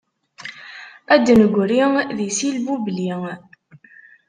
Ad d-negri di silbubli.